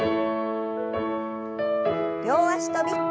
両脚跳び。